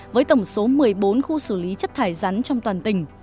với tổng số một mươi bốn khu xử lý chất thải rắn trong toàn tỉnh